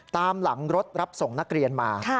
ตามหลังรถรับส่งนักเรียนมา